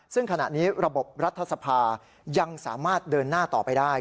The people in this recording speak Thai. ซึ่งขณะนี้ระบบรัฐสภายังสามารถเดินหน้าต่อไปได้